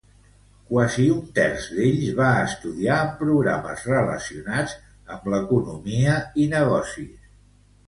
Quasi un terç d'ells va estudiar en programes relacionats amb l'economia i negocis.